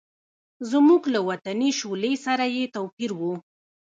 زموږ له وطني شولې سره یې توپیر و.